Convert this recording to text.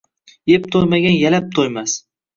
Yeb to’ymagan-yalab to’ymas.